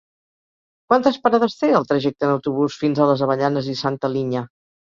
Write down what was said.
Quantes parades té el trajecte en autobús fins a les Avellanes i Santa Linya?